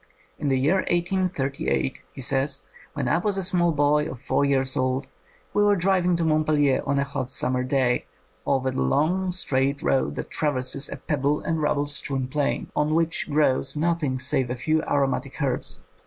'' In the year 1838, '' he says, *' when I was a small boy of four years old, we were driving to Montpelier on a hot summer day over the long straight road that traverses a pebble and rubble strewn plain, on which grows nothing save a few aromatic herbs.